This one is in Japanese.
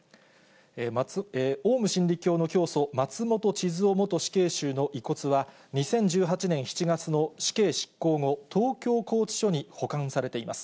オウム真理教の教祖、松本智津夫元死刑囚の遺骨は、２０１８年７月の死刑執行後、東京拘置所に保管されています。